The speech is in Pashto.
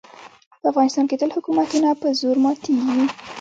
په افغانستان کې تل حکومتونه په زور ماتېږي.